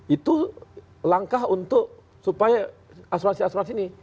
itu langkah untuk supaya asuransi asuransi ini